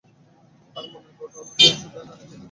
তাঁহার মনের গঠনেও জেসুইটদের খানিকটা ধাঁচ যেন আছে।